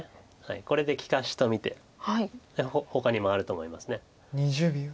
これで利かしと見てほかに回ると思います。